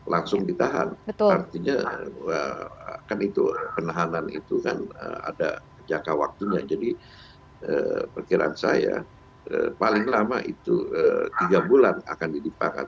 langsung ditahan artinya kan itu penahanan itu kan ada jangka waktunya jadi perkiraan saya paling lama itu tiga bulan akan dilipatkan